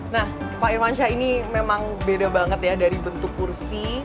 nah pak irmansyah ini memang beda banget ya dari bentuk kursi